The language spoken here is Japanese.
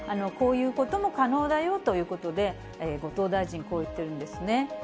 こういうことも可能だよということで、後藤大臣、こう言ってるんですね。